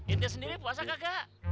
inti sendiri puasa kagak